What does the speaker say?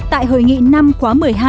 tại hội nghị năm khóa một mươi hai